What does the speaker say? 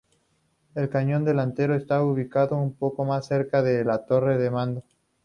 El cañón delantero estaba ubicado un poco más cerca de la torre de mando.